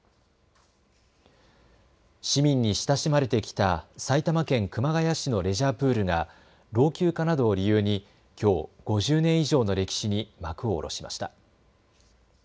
市民に親しまれてきた埼玉県熊谷市のレジャープールが老朽化などを理由にきょう５０年以上の歴史に幕を下ろしました。